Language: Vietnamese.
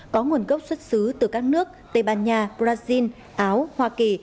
có nguồn gốc xuất xứ từ các nước tây ban nha brazil áo hoa kỳ